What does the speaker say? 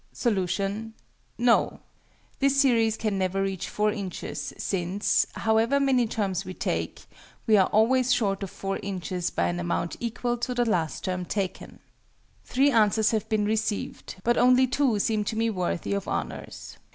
Solution. No. This series can never reach 4 inches, since, however many terms we take, we are always short of 4 inches by an amount equal to the last term taken. Three answers have been received but only two seem to me worthy of honours.